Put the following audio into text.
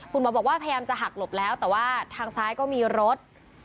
คุณหมอบอกว่าพยายามจะหักหลบแล้วแต่ว่าทางซ้ายก็มีรถ